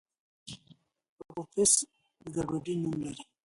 اپوفیس د ګډوډۍ نوم لري.